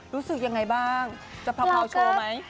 รู้สึกยังไงบ้างจะเผาโชว์ไหม